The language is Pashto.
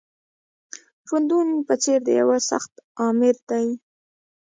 ژوندون په څېر د یوه سخت آمر دی